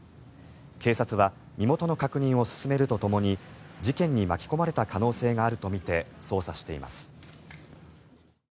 警察は身元の確認を進めるとともに事件に巻き込まれた可能性があるとみて捜査しています。